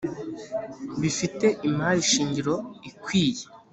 bifite imari shingiro ikwiye